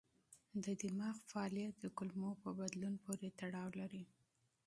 د دماغ فعالیت د کولمو په بدلون پورې تړاو لري.